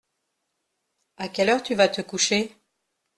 À quelle heure tu vas te coucher ?